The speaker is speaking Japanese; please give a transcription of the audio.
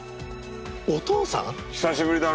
お父さん？